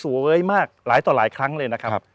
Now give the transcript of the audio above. สวยมากหลายต่อหลายครั้งเลยนะครับ